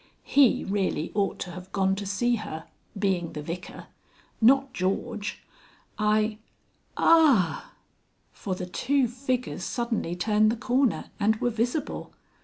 "He really ought to have gone to see her being the Vicar. Not George. I Ah!" For the two figures suddenly turned the corner and were visible.